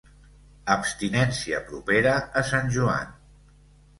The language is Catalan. Abstinència propera a Sant Joan.